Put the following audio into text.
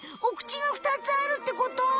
お口が２つあるってこと？